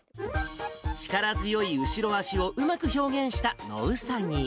力強い後ろ脚をうまく表現した野うさぎ。